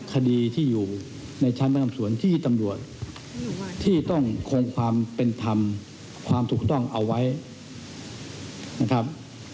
คดีที่อยู่ในชั้นประจำสวนที่ตำรวจที่ต้องคงความเป็นธรรมความถูกต้องเอาไว้นะครับ